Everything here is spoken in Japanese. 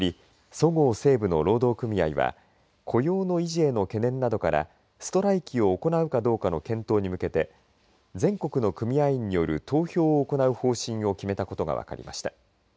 そごう・西武の労働組合は雇用の維持への懸念などからストライキを行うかどうかの検討に向けて全国の組合員による投票を行う方針を決めたことが分かりました。